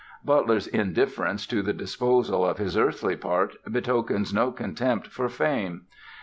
Butler's indifference to the disposal of his earthly part betokens no contempt for fame.